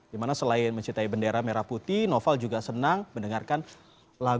dimana selain mencintai bendera merah putih noval juga senang mendengarkan lagu